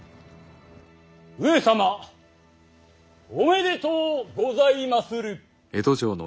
上様おめでとうございまする。